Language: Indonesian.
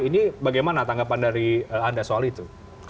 ini bagaimana tanggapan dari anda soal itu